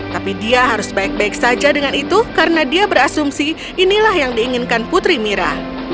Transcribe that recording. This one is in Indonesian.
tapi dia harus baik baik saja dengan itu karena dia berasumsi inilah yang diinginkan putri mira